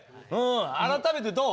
改めてどう？